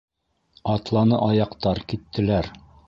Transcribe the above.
Атланы аяҡтар, киттеләр.